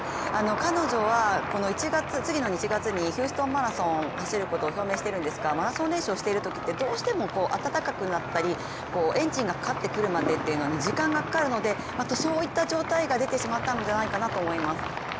彼女は、次の１月にヒューストンマラソンを走ることを表明しているんですが、マラソン練習をしているときってどうしても温かくなったりエンジンがかかってくるまでっていうのが時間がかかるのでそういった状態が出てしまったのではないかなと思います。